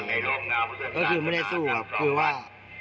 ก็คือไม่ได้สู้ครับคือว่า